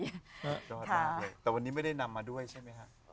ข่าวเราเลยตอนนี้ไม่ได้นำมาด้วยใช่ไหมคะ